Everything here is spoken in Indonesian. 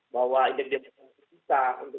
bahwa ide demokrasi kita untuk kebenaran itu